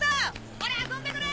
俺遊んでくる！